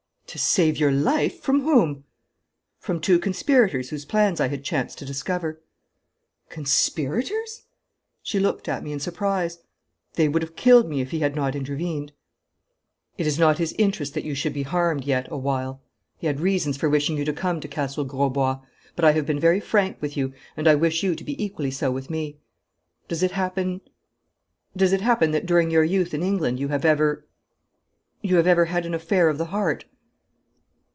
'To save your life! From whom?' 'From two conspirators whose plans I had chanced to discover.' 'Conspirators!' She looked at me in surprise. 'They would have killed me if he had not intervened.' 'It is not his interest that you should be harmed yet awhile. He had reasons for wishing you to come to Castle Grosbois. But I have been very frank with you, and I wish you to be equally so with me. Does it happen does it happen that during your youth in England you have ever you have ever had an affair of the heart?'